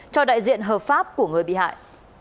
cho đại diện hợp pháp của người bị hại